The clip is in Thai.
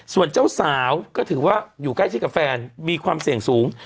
ส่วนเจ้าสาวก็ถือว่าอยู่ใกล้ชิดกับแฟนมีความเสี่ยงสูง